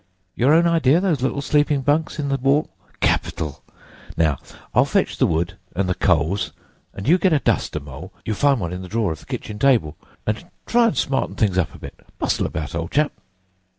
Your own idea, those little sleeping bunks in the wall? Capital! Now, I'll fetch the wood and the coals, and you get a duster, Mole—you'll find one in the drawer of the kitchen table—and try and smarten things up a bit. Bustle about, old chap!"